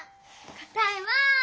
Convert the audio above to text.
答えは。